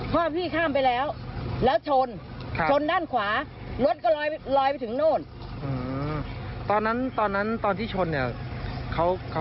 แห่งไม้บ้านใกล้ตรงนี้เยอะไหมครับ